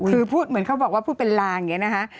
คือพูดเหมือนเขาบอกว่าพูดเป็นลางอย่างนี้นะคะ